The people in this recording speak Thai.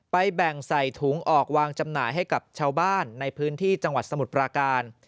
แบ่งใส่ถุงออกวางจำหน่ายให้กับชาวบ้านในพื้นที่จังหวัดสมุทรปราการ